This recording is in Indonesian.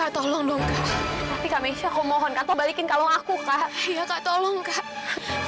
tolong dong tapi kami aku mohon atau balikin kalau aku kak ya kak tolong kak